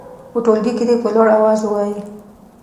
په ټولګي کې دې یې په لوړ اواز ووايي.